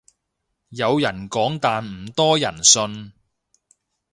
有人講但唔多人信